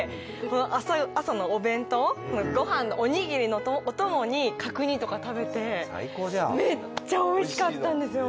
朝のお弁当ご飯のおにぎりのお供に角煮とか食べてめっちゃおいしかったんですよ。